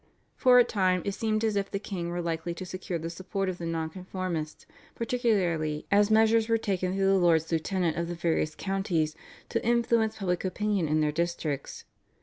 For a time it seemed as if the king were likely to secure the support of the Nonconformists, particularly as measures were taken through the lords lieutenant of the various counties to influence public opinion in their districts.